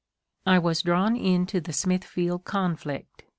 I was drawn into the Smithfield conflict.